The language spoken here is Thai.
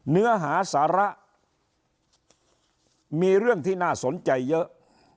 เนื้อหาสาระมีเรื่องที่น่าสนใจเยอะ